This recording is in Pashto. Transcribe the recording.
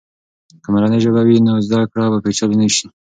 که مورنۍ ژبه وي، نو زده کړه به پیچلې نه سي.